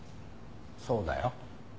そうだよ。